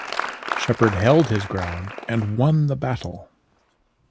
Shepard held his ground and won the battle.